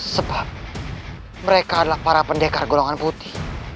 sebab mereka adalah para pendekar golongan putih